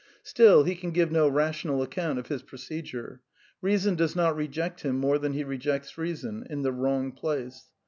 Still, he can give no rational account of his procedure. Beason does not reject him more than he rejects reason — in the wrong place.